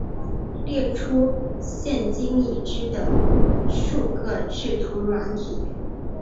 列出现今已知的数个制图软体